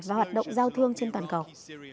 và hoạt động giao thương trên toàn cầu